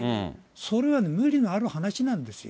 それは無理がある話なんですよ。